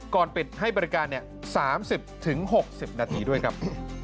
ก่อนปิดให้บริการ๓๐๖๐นาทีด้วยครับ